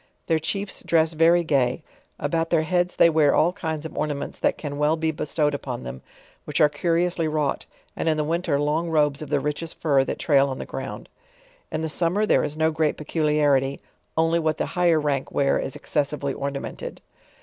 Their chiefs dress very g;\v; about their heads thpy wear all kinds of ornaments that fan well be bestowed upon them, which are curiously wrought, and in the winter lung robes of the richest fur that tsail on the ground. In the summer there is no great peculiarity, only what the higher rank wear is excessively ornamented.